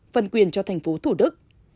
phân quyền cho thành phố thủ đức